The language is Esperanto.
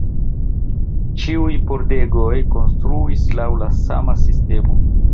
Ĉiuj pordegoj konstruis laŭ la sama sistemo.